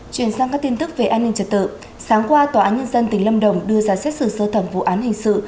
chuyển sang các tin tức về an ninh trật tự sáng qua tòa án nhân dân tỉnh lâm đồng đưa ra xét xử sơ thẩm vụ án hình sự